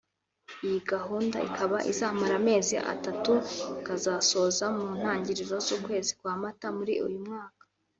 Iyi gahunda ikaba izamara amezi atatu ikazasoza mu ntangiriro z’ukwezi kwa mata muri uyu mwaka